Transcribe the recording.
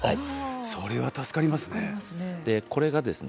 それは助かりますね。